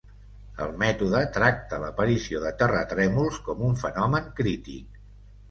El mètode tracta l'aparició de terratrèmols com un fenomen crític.